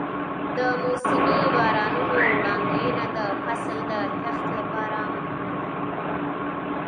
د موسمي بارانونو وړاندوینه د فصل د کښت لپاره مهمه ده.